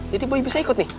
jadi boy bisa ikut nih